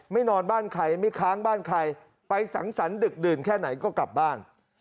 นอนบ้านใครไม่ค้างบ้านใครไปสังสรรคดึกดื่นแค่ไหนก็กลับบ้าน